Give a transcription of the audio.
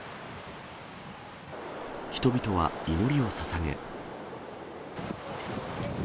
人々は祈りをささげ。